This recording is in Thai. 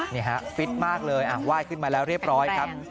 นี่ฮะฟิตมากเลยไหว้ขึ้นมาแล้วเรียบร้อยครับ